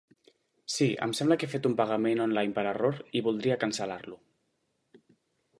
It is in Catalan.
Sí, em sembla que he fet un pagament online per error i voldria cancel·lar-lo.